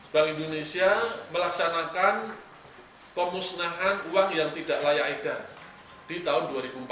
bank indonesia melaksanakan pemusnahan uang yang tidak layak edar di tahun dua ribu empat belas